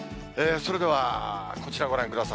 それでは、こちらご覧ください。